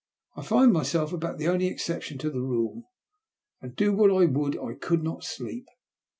I found my self about the only exception to the rule ; and, do what I would, I could not sleep.